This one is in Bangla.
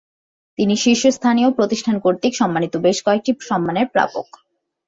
তিনি শীর্ষস্থানীয় প্রতিষ্ঠান কর্তৃক সম্মানিত বেশ কয়েকটি সম্মানের প্রাপক।